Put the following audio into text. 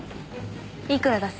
いくら出す？